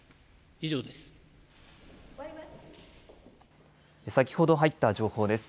以上です。